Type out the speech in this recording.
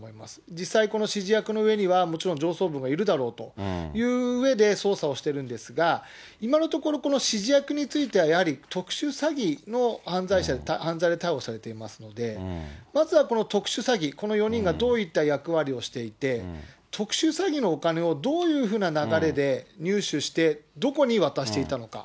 実際、この指示役の上には、もちろん上層部がいるだろうといううえで捜査をしてるんですが、今のところ、この指示役については、やはり特殊詐欺の犯罪者、犯罪で逮捕されてますので、まずはこの特殊詐欺、この４人がどういった役割をしていて、特殊詐欺のお金をどういうふうな流れで入手して、どこに渡していたのか。